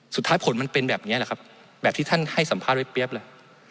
สุดท้ายผลมันเป็นแบบนี้แหละครับแบบที่ท่านให้สัมภาษณ์ไว้เปี๊ยบเลย